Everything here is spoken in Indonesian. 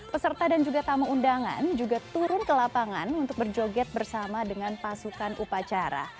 peserta dan juga tamu undangan juga turun ke lapangan untuk berjoget bersama dengan pasukan upacara